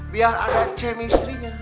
biar ada chemistry nya